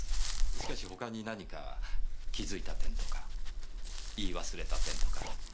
しかしほかに何か気づいた点とか言い忘れた点とかありませんか？